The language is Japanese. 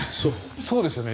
そうですよね。